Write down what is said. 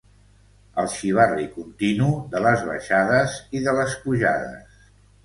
El xivarri continu de les baixades i de les pujades.